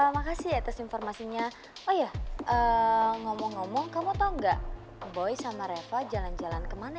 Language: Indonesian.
makasih ya tes informasinya oh ya ngomong ngomong kamu tahu nggak boy sama reva jalan jalan kemana